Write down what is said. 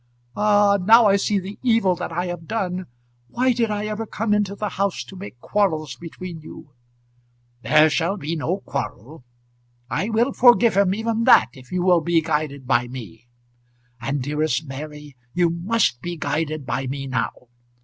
"Ah; now I see the evil that I have done. Why did I ever come into the house to make quarrels between you?" "There shall be no quarrel. I will forgive him even that if you will be guided by me. And, dearest Mary, you must be guided by me now.